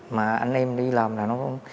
mà anh em đi làm là nó